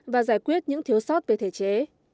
và giải quyết những thiếu sót về thể chế